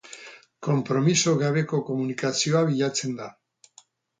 Konpromiso gabeko komunikazioa bilatzen da.